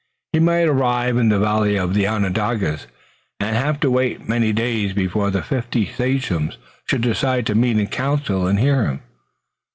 He might arrive in the vale of Onondaga and have to wait many days before the fifty sachems should decide to meet in council and hear him.